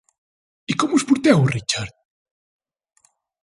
I com us porteu, Richard?